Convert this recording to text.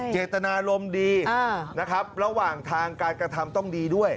เจตนารมณ์ดีนะครับระหว่างทางการกระทำต้องดีด้วย